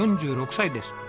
４６歳です。